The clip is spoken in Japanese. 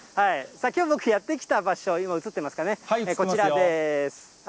きょう僕、やって来た場所、今、映ってますかね、こちらです。